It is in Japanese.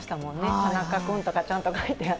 田中君とかちゃんと書いてあって。